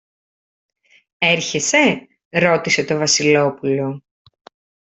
Έρχεσαι; ρώτησε το Βασιλόπουλο.